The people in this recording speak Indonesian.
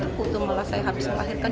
itu itu foto malah saya habis melahirkan